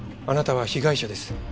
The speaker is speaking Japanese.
あなたは被害者です。